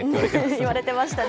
言われてましたね。